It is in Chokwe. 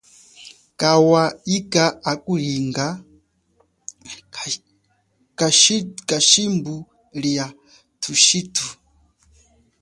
Kawa ika akulinga hashimbu lia thushithu?